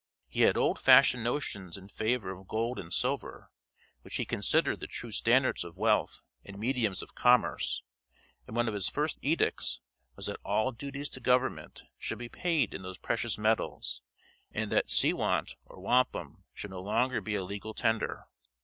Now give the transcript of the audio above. He had old fashioned notions in favor of gold and silver, which he considered the true standards of wealth and mediums of commerce, and one of his first edicts was that all duties to government should be paid in those precious metals, and that seawant, or wampum, should no longer be a legal tender.